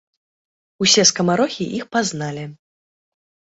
Усе скамарохі іх пазналі.